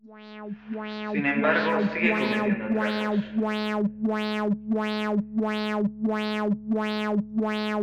Sin embargo, sigue cometiendo atracos.